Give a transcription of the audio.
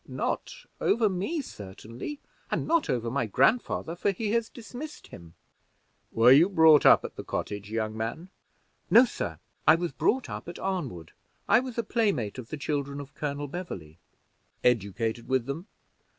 "Not over me, certainly, and not over my grandfather, for he has dismissed him." "Were you brought up at the cottage, young man?" "No, sir, I was brought up at Arnwood. I was playmate of the children of Colonel Beverley." "Educated with them?"